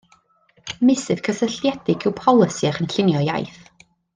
Meysydd cysylltiedig yw polisi a chynllunio iaith.